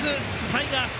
タイガース。